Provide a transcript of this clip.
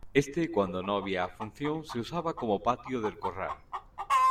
Éste, cuando no había función, se usaba como patio de corral.